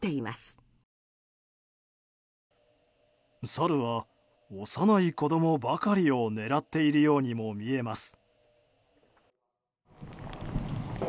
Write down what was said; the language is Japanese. サルは、幼い子供ばかりを狙っているようにも見えます。